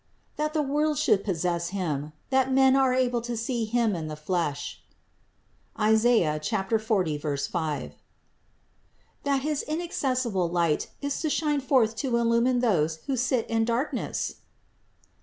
That the world should possess Him ? That men are to see Him in the flesh ?( Is. 40. 5 ). That his inacces sible light is to shine forth to illumine those who sit in darkness?